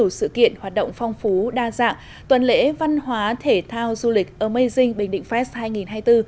nhiều sự kiện hoạt động phong phú đa dạng tuần lễ văn hóa thể thao du lịch amazing bình định fest hai nghìn hai mươi bốn